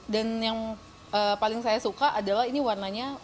dan yang paling saya suka adalah ini warnanya